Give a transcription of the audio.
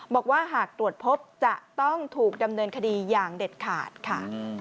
บอกว่าหากตรวจพบจะต้องถูกดำเนินคดีอย่างเด็ดขาดค่ะ